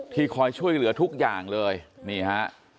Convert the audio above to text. คอยช่วยเหลือทุกอย่างเลยนี่ฮะ